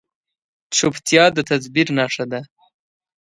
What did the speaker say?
چپتیا، د تدبیر نښه ده.